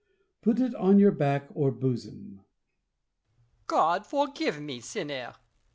Put it on your back or bosom. Louis. God forgive me, sinner